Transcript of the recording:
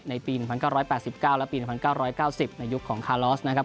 ในปี๑๙๘๙และปี๑๙๙๐ในยุคของคาลอสนะครับ